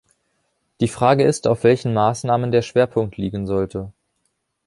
Die Frage ist, auf welchen Maßnahmen der Schwerpunkt liegen sollte.